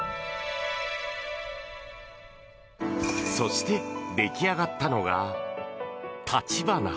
そして、出来上がったのが橘。